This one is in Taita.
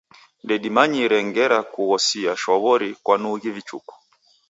Ndedimanyire ngera kughosia shwaw'ori kwanughi vichuku.